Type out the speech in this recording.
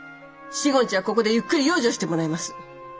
４５日はここでゆっくり養生してもらいます。